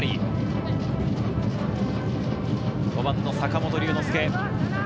５番の坂本龍之介。